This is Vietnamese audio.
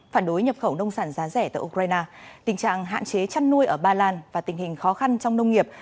phản đối nhập khẩu nông sản giá rẻ từ ukraine tình trạng hạn chế chăn nuôi ở ba lan và tình hình khó khăn trong nông nghiệp